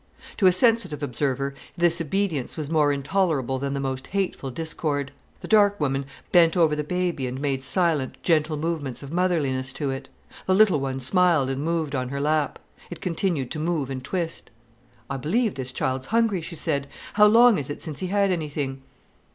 To a sensitive observer, this obedience was more intolerable than the most hateful discord. The dark woman bent over the baby and made silent, gentle movements of motherliness to it. The little one smiled and moved on her lap. It continued to move and twist. "I believe this child's hungry," she said. "How long is it since he had anything?"